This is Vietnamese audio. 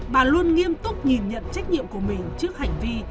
bà luôn nghiêm túc nhìn nhận trách nhiệm của mình trước hành vi